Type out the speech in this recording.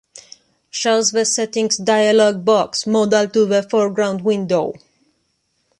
Shows the Settings dialog box, modal to the foreground window.